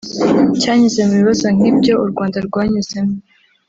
cyanyuze mu bibazo nk’ibyo u Rwanda rwanyuzemo